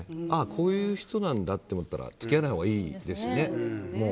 こういう人なんだと思ったら付き合わないほうがいいですね。